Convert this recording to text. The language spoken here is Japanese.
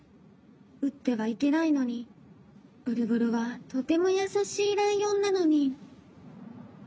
うってはいけないのにブルブルはとてもやさしいライオンなのに。